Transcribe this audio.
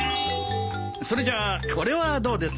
それじゃあこれはどうです？